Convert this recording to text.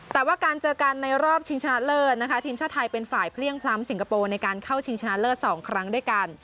แต่ว่าการเจอกันในรอบชิงชนะเลิศนะคะทีมชาติไทยเป็นฝ่ายเพลี่ยงพล้ำสิงคโปร์ในการเข้าชิงชนะเลิศ๒ครั้งด้วยกัน